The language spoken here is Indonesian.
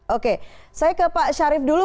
oke saya ke pak syarif dulu